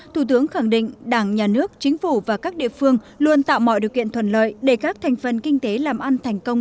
thủ tướng khẳng định đảng nhà nước chính phủ và các địa phương luôn tạo mọi điều kiện thuận lợi để các thành phần kinh tế làm ăn thành công